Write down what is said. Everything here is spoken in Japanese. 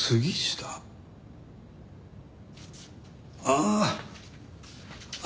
ああ。